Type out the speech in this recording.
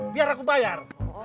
biar aku bayar